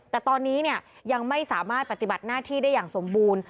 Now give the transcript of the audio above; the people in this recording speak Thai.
แต่ตอนนี้ยังไม่สามารถปฏิบัติหน้าที่ได้อย่างสมบูรณ์